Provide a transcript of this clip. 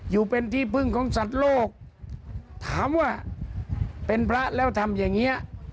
อยู่เป็นที่พึ่งของสัตว์โลกถามว่าเป็นพระแล้วทำอย่างเงี้ย